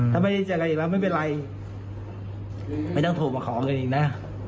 ถ้าไม่ได้เจออะไรอีกแล้วไม่เป็นไรไม่ต้องโทรมาขอเงินอีกนะ